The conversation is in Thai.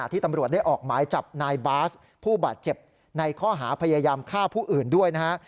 ที่ตำรวจได้ออกหมายจับนายบาสผู้บาดเจ็บในข้อหาพยายามฆ่าผู้อื่นด้วยนะฮะ